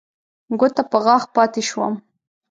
ګوته په غاښ پاتې شوم.